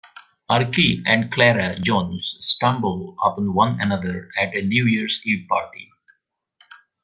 Archie and Clara Jones stumble upon one another at a New Year's Eve party.